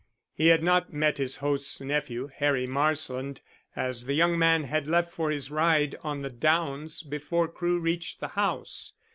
He had not met his host's nephew, Harry Marsland, as the young man had left for his ride on the downs before Crewe reached the house.